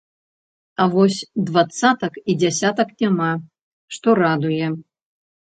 А вось дваццатак і дзясятак няма, што радуе.